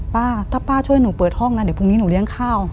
ป้าถ้าป้าช่วยหนูเปิดห้องนะเดี๋ยวพรุ่งนี้หนูเลี้ยงข้าว